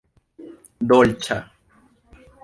dolĉa